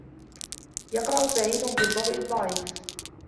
يَقْرَأُ سَعِيدٌ فِي الضَّوْءِ الضَّعِيفِ.